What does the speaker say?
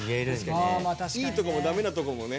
いいとこもダメなとこもね